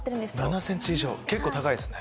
７ｃｍ以上結構高いですね。